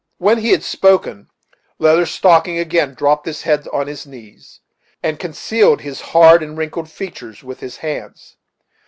When he had spoken, Leather Stocking again dropped his head on his knees, and concealed his hard and wrinkled features with his hands.